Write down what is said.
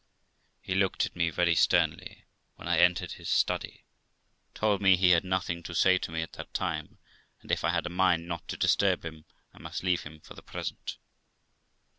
He looked at me very sternly when I entered his study, told me he had nothing to say to me at that time, and if I had a mind not to disturb him, I must leave him for the present.